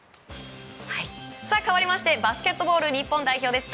かわりましてバスケットボール日本代表です。